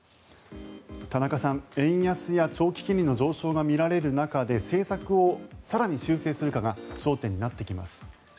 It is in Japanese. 田中さん、円安や長期金利の上昇が見られる中で政策を更に修正するかが焦点になってきます。